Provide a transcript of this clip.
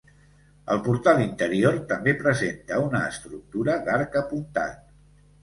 El portal interior també presenta una estructura d'arc apuntat.